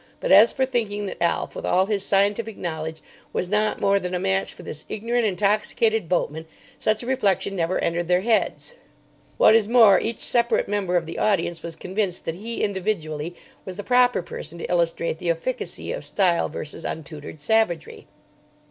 But as for thinking that Alf with all his scientific knowledge was not more than a match for this ignorant, intoxicated boatman, such a reflection never entered their heads. What is more, each separate member of the audience was convinced that he individually was the proper person to illustrate the efficacy of style versus untutored savagery.